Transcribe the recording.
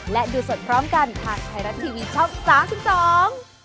และดูสดพร้อมกันทางไทยรัฐทีวีช่อง๓๒